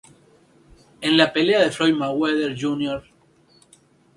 En la pelea que Floyd Mayweather Jr.